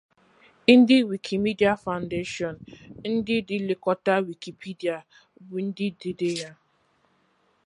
Ndi Wikimedia Foundation, nde di lekota Wikipedia, bu nde di de ya.